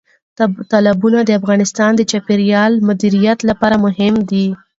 تالابونه د افغانستان د چاپیریال مدیریت لپاره مهم دي.